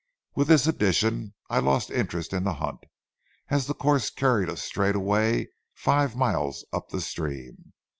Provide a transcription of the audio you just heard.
With this addition, I lost interest in the hunt, as the course carried us straightaway five miles up the stream.